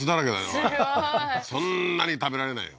これすごいそんなに食べられないよ